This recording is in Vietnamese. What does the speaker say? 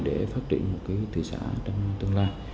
để phát triển một thị xã trong tương lai